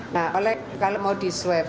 nah kalau mau diswep